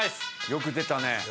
よく出たね。